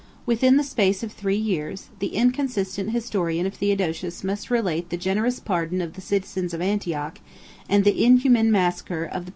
Within the space of three years, the inconsistent historian of Theodosius must relate the generous pardon of the citizens of Antioch, and the inhuman massacre of the people of Thessalonica.